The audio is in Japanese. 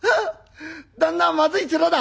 旦那はまずい面だ」。